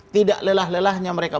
tidak lelah lelahnya mereka